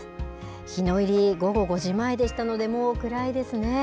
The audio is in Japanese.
日の入り、午後５時前でしたので、もう暗いですね。